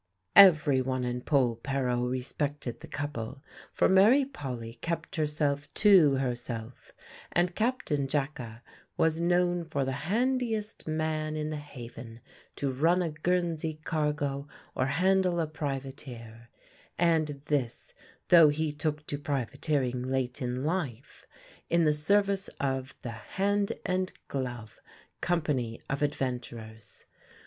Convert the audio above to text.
Everyone in Polperro respected the couple, for Mary Polly kept herself to herself, and Captain Jacka was known for the handiest man in the haven to run a Guernsey cargo or handle a privateer, and this though he took to privateering late in life, in the service of the "Hand and Glove" company of adventurers.